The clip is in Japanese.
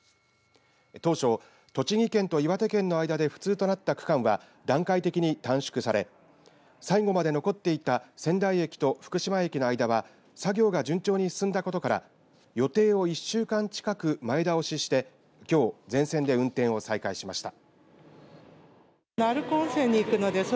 当初、栃木県と岩手県の間で不通となった区間は段階的に短縮され最後まで残っていた仙台駅と福島駅の間が作業が順調に進んだことから予定を１週間近く前倒ししてきょう全線で運転を再開しました。